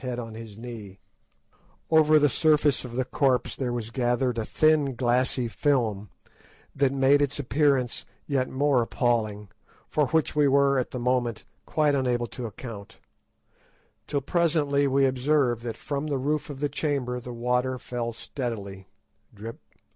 Over the surface of the corpse there was gathered a thin glassy film, that made its appearance yet more appalling, for which we were, at the moment, quite unable to account, till presently we observed that from the roof of the chamber the water fell steadily, _drip!